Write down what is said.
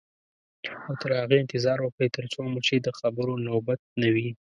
او تر هغې انتظار وکړئ تر څو مو چې د خبرو نوبت نه وي.